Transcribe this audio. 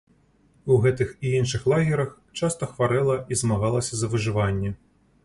У гэтых і іншых лагерах часта хварэла і змагалася за выжыванне.